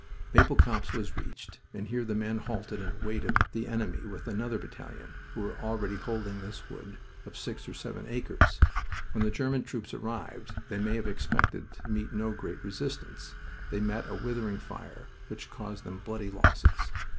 Maple Copse was reached, and here the men halted and awaited the enemy with another battalion who were already holding this wood of six or seven acres. When the German troops arrived they may have expected to meet no great resistance. They met a withering fire, which caused them bloody losses.